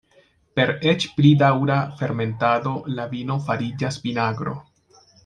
Per eĉ pli daŭra fermentado la vino fariĝas vinagro.